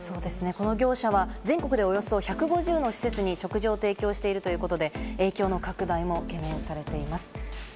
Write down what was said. この業者は全国でおよそ１５０の施設に食事を提供しているということで、影響の拡大も懸念されています。